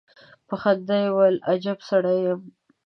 په خندا يې وويل: اجب سړی يم.